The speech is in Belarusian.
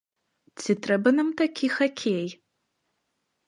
Ці трэба нам такі хакей?